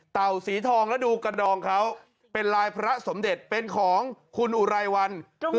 สีทองแล้วดูกระดองเขาเป็นลายพระสมเด็จเป็นของคุณอุไรวัน